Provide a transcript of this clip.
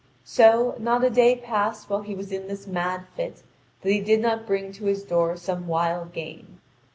So, not a day passed while he was in this mad fit that he did not bring to his door some wild game.